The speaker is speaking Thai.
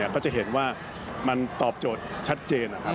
ก็จะเห็นว่ามันตอบโจทย์ชัดเจน